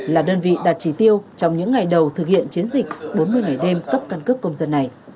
là đơn vị đạt trí tiêu trong những ngày đầu thực hiện chiến dịch bốn mươi ngày đêm cấp cân cấp công dân này